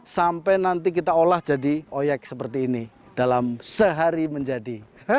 sampai nanti kita olah jadi oyek seperti ini dalam sehari menjadi